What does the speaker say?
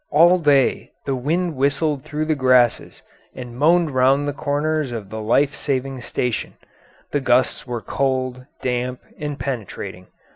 All day the wind whistled through the grasses and moaned round the corners of the life saving station; the gusts were cold, damp, and penetrating.